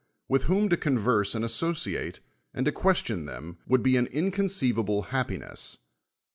with wlio:u to converse and as ,oeiate, and to question them, vrould be an inconcfivable happiness.